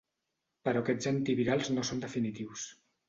Però aquests antivirals no són definitius.